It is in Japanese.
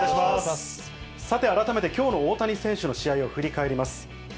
さて、改めてきょうの大谷選手の試合を振り返ります。